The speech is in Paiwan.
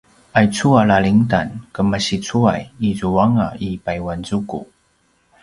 aicu a lalingdan kemasicuay izuanga i payuanzuku